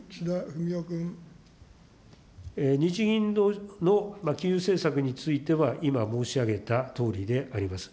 日銀の金融政策については、今申し上げたとおりであります。